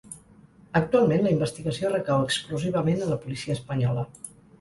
Actualment, la investigació recau exclusivament en la policia espanyola.